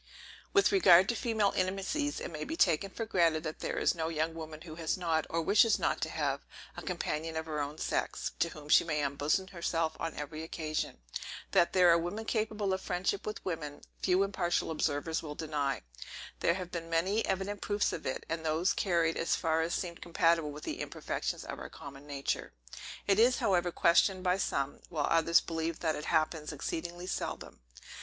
With regard to female intimacies, it may be taken for granted that there is no young woman who has not, or wishes not to have, a companion of her own sex, to whom she may unbosom herself on every occasion. That there are women capable of friendship with women, few impartial observers will deny. There have been many evident proofs of it, and those carried as far as seemed compatible with the imperfections of our common nature. It is, however, questioned by some; while others believe that it happens exceedingly seldom.